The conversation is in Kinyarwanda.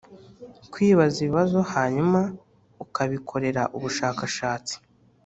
Kwibaza ibibazo hanyuma ukabikorera ubushakashatsi.